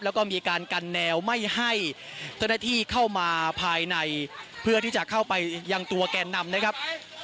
แล้วก็มีการกันแนวไม่ให้เจ้าหน้าที่เข้ามาภายในเพื่อที่จะเข้าไปยังตัวแกนนำนะครับ